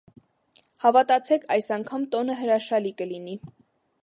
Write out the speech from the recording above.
Հավատացեք, այս անգամ տոնը հրաշալի կլինի։